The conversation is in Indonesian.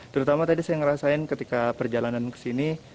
terutama tadi saya ngerasain ketika perjalanan kesini